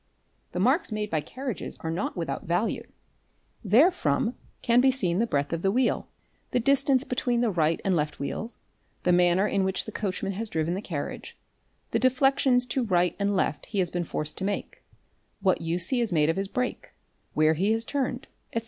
The marks made by carriages are not without value, Therefrom 552 OTHER IMPRESSIONS can be seen the breadth of the wheel, the distance between the right and left wheels, the manner in which the coachman has driven the carriage, the deflections to right and left he has been forced to make, what use he has made of his break, where he has turned, etc.